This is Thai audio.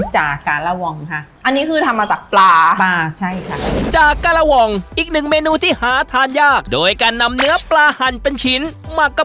ใช่ต้องเป็นอย่างนั้นค่ะ